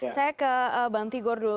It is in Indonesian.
saya ke bang tigor dulu